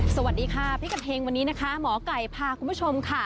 สวัสดีค่ะพี่กัดเฮงวันนี้นะคะหมอไก่พาคุณผู้ชมค่ะ